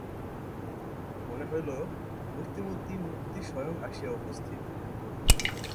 মনে হইল, মূর্তিমতী মুক্তি স্বয়ং আসিয়া উপস্থিত।